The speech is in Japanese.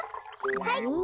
はい。